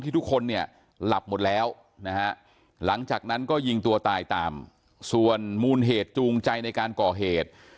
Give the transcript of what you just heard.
ทุกคนเนี่ยหลับหมดแล้วนะฮะหลังจากนั้นก็ยิงตัวตายตามส่วนมูลเหตุจูงใจในการก่อเหตุ